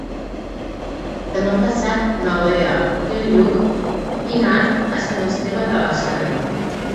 Demà passat na Lea i en Lluc iran a Sant Esteve de la Sarga.